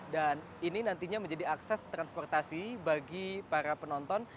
dan ini nantinya menjadi akses transportasi bagi para penonton